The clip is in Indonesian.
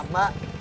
sampai jumpa lagi